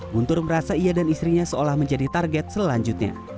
guntur merasa ia dan istrinya seolah menjadi target selanjutnya